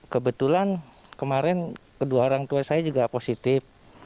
kebetulan kemarin kedua orang tua saya juga positif